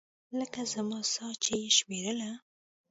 لکه زما ساه چې يې شمېرله.